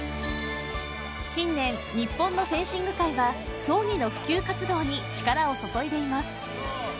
近年日本のフェンシング界は競技の普及活動に力を注いでいます